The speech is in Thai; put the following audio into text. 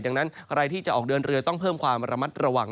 ดังนั้นใครที่จะออกเดินเรือต้องเพิ่มความระมัดระวัง